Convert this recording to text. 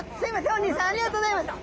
おにいさんありがとうございます。